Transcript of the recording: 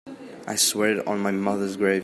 I swear it on my mother's grave.